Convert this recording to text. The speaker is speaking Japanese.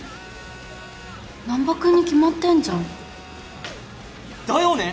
難破君に決まってんじゃん。だよね！